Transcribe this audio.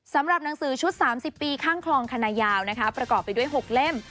สำหรับหนังสือชุด๓๐ปีข้างคลองคณะยาวนะคะประกอบไปด้วย๖เล่ม